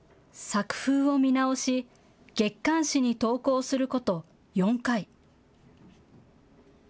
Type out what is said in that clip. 作風を見直し月刊誌に投稿すること４回。